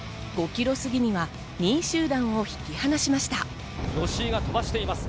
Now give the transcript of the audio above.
５ｋｍすぎには、２位集団を引き離しました。